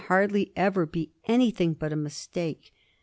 175 hardly ever be anything but a mistake.